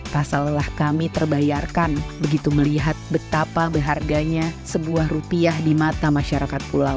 rasa lelah kami terbayarkan begitu melihat betapa berharganya sebuah rupiah di mata masyarakat pulau